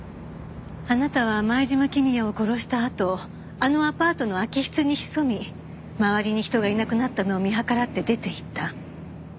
あなたは前島公也を殺したあとあのアパートの空き室に潜み周りに人がいなくなったのを見計らって出て行った。